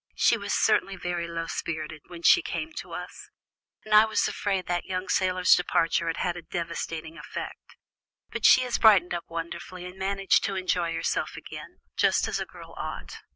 She was certainly very low spirited when she came to us, and I was afraid that young sailor's departure had had a devastating effect; but she has brightened up wonderfully and managed to enjoy herself again, just as a girl ought."